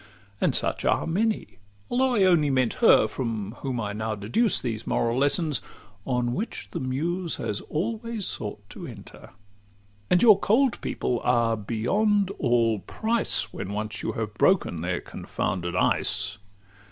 And such are many though I only meant her From whom I now deduce these moral lessons, On which the Muse has always sought to enter. And your cold people are beyond all price, When once you have broken their confounded ice.